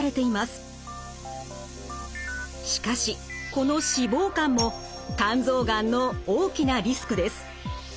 しかしこの脂肪肝も肝臓がんの大きなリスクです。